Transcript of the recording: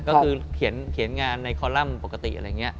ก็คือเขียนงานในคอลัมป์ปกติอะไรอย่างนี้